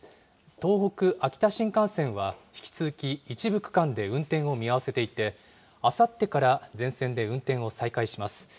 東北・秋田新幹線は引き続き一部区間で運転を見合わせていて、あさってから全線で運転を再開します。